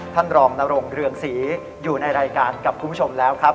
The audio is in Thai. ท่านรองนรงเรืองศรีอยู่ในรายการกับคุณผู้ชมแล้วครับ